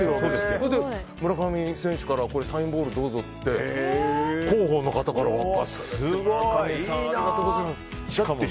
それで村上選手からサインボールどうぞって広報の方から渡されて。